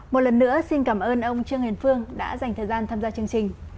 một lần nữa xin cảm ơn ông trương hiền phương đã dành thời gian tham gia chương trình